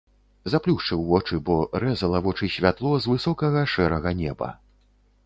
Заплюшчыў вочы, бо рэзала вочы святло з высокага шэрага неба.